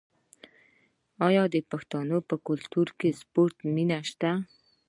آیا د پښتنو په کلتور کې د سپورت مینه نشته؟